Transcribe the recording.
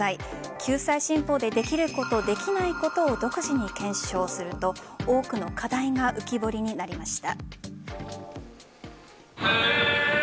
救済新法でできること、できないことを独自に検証すると多くの課題が浮き彫りになりました。